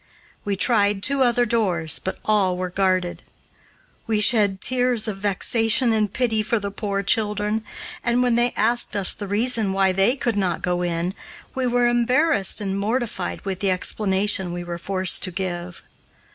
We tried two other doors, but all were guarded. We shed tears of vexation and pity for the poor children, and, when they asked us the reason why they could not go in, we were embarrassed and mortified with the explanation we were forced to give.